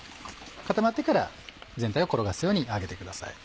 固まってから全体を転がすように揚げてください。